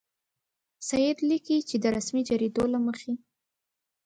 سید لیکي چې د رسمي جریدو له مخې.